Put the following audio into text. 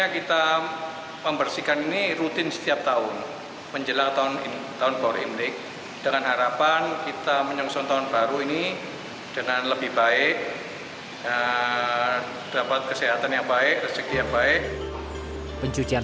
kita menyengson tahun baru ini dengan lebih baik dapat kesehatan yang baik rezeki yang baik